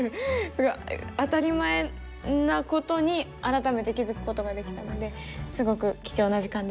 すごい当たり前なことに改めて気付くことができたのですごく貴重な時間でした。